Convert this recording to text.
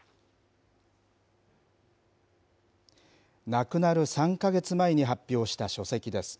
亡くなる３か月前に発表した書籍です。